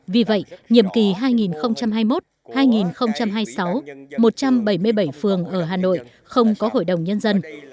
vì vậy nhiệm kỳ hai nghìn hai mươi một hai nghìn hai mươi sáu một trăm bảy mươi bảy phường ở hà nội không có hội đồng nhân dân